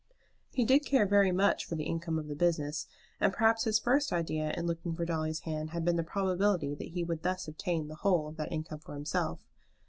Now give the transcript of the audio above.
He did care very much for the income of the business, and perhaps his first idea in looking for Dolly's hand had been the probability that he would thus obtain the whole of that income for himself.